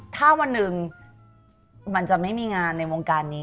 ถ้าวันหนึ่งมันจะไม่มีงานในวงการนี้